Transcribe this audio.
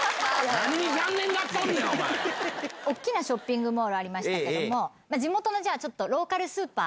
おっきなショッピングモールありましたけども、地元のじゃあ、ちょっとローカルスーパー。